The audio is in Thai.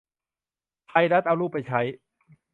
ไทยรัฐ เอารูปไปใช้